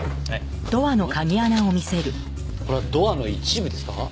これはドアの一部ですか？